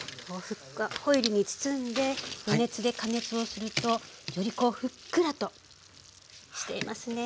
ホイルに包んで余熱で加熱をするとよりこうふっくらとしていますね。